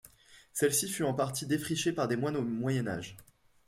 Celle-ci fut en partie défrichée par des moines au Moyen Âge.